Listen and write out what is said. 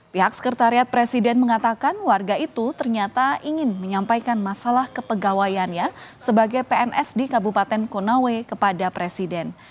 pihak sekretariat presiden mengatakan warga itu ternyata ingin menyampaikan masalah kepegawaiannya sebagai pns di kabupaten konawe kepada presiden